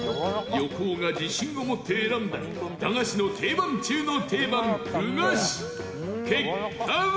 横尾が自信を持って選んだ駄菓子の定番中の定番、ふ菓子結果は？